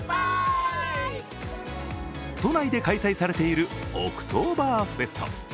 都内で開催されているオクトーバーフェスト。